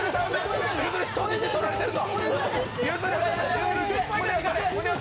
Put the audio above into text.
人質取られてるぞ。